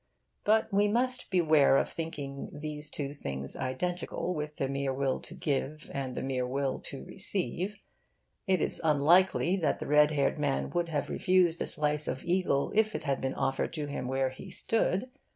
But we must beware of thinking these two things identical with the mere will to give and the mere will to receive. It is unlikely that the red haired man would have refused a slice of eagle if it had been offered to him where he stood.